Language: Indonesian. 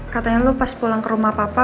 katanya lu pas pulang ke rumah papa